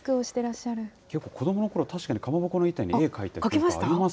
結構子どものころ、確かにかまぼこの板に絵を描いたことあります。